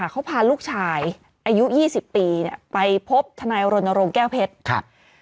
เขาพาลูกชายอายุ๒๐ปีไปพบทนายรณรงค์แก้วเพชร